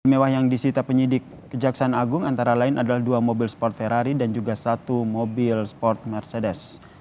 mewah yang disita penyidik kejaksaan agung antara lain adalah dua mobil sport ferrari dan juga satu mobil sport mercedes